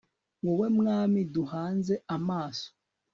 wowe mwami duhanze amaso (